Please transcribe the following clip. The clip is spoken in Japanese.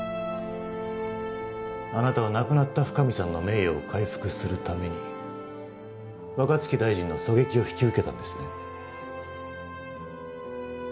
あなたは亡くなった深海さんの名誉を回復するために若槻大臣の狙撃を引き受けたんですね？